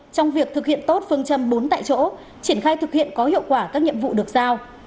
trong việc thực hiện tốt phương châm bốn tại chỗ triển khai thực hiện có hiệu quả các nhiệm vụ được giao